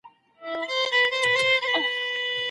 پولیس به مجرمین محکمي ته وسپاري.